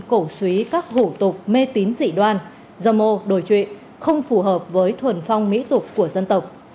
cổ suý các hủ tục mê tín dị đoan dâm mô đổi trệ không phù hợp với thuần phong mỹ tục của dân tộc